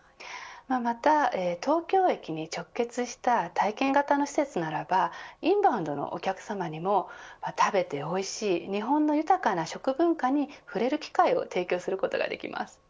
また、東京駅に直結した体験型の施設ならばインバウンドのお客さまにも食べておいしい日本の豊かな食文化に触れる機会を提供することができます。